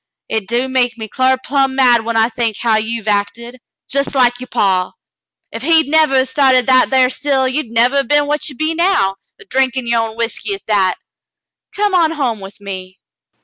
Hit do make me clar plumb mad when I think how you hev acted, — jes' like you' paw. Ef he'd nevah 'a' started that thar still, you'd nevah 'a' been what ye be now, a drinkin' yer own whiskey at that. Come on home with me."